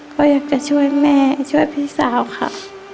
ก็อยากจะช่วยแม่ช่วยพี่สาวค่ะ